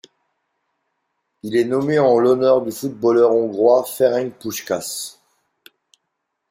Il est nommé en l'honneur du footballeur hongrois Ferenc Puskás.